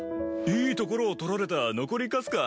いいところを取られた残りカスか。